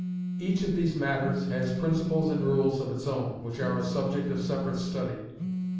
Each of these matters has principles and rules of its own, which are a subject of separate study.